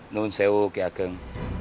nuseo ki ageng